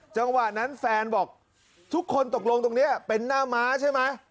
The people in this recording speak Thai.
จังหวะนั้นแฟนบอกทุกคนตกลงตรงนี้เป็นหน้าม้าใช่ไหม